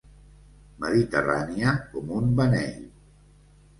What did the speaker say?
Mediterrània com un beneit.